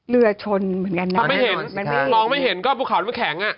เรือชนเหมือนกันนะถ้าไม่เห็นมองไม่เห็นก็ภูเขาแข็งอ่ะ